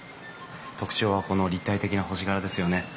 特徴はこの立体的な星柄ですよね。